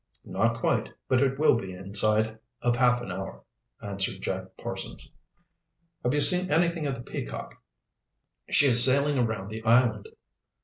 "Not quite, but it will be inside of half an hour," answered Jack Parsons. "Have you seen anything of the Peacock? She is sailing around the island."